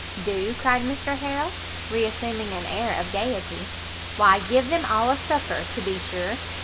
"Do?" cried Mr Harrel, re assuming an air of gaiety, "why give them all a supper, to be sure.